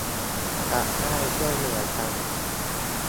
จะได้ช่วยเหลือกัน